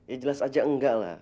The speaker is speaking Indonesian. ya jelas aja enggak lah